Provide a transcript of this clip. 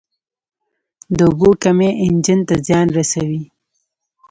د اوبو کمی انجن ته زیان رسوي.